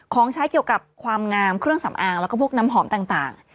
ของใช้เกี่ยวกับความงามเครื่องสำอางแล้วก็พวกน้ำหอมต่าง